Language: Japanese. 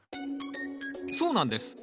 そうなんです。